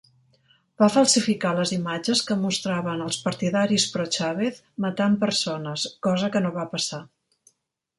Van falsificar les imatges que mostraven als partidaris pro-Chavez matant persones, cosa que no va passar.